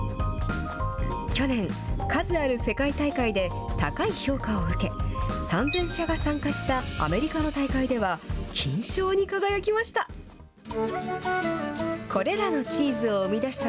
去年、数ある世界大会で、高い評価を受け、３０００社が参加したアメリカの大会では、金賞に輝きました。